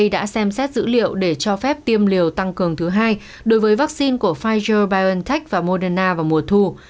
đã xem xét dữ liệu để cho phép tiêm liều tăng cường thứ hai đối với vaccine của pfizer biontech và moderna vào mùa thu